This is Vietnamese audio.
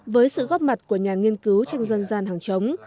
với sự góp mặt của nhà nghiên cứu tranh dân gian hàng chống